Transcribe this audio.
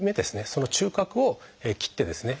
その中隔を切ってですね